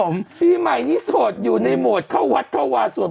นะครับกูไม่บอกใครเนี่ย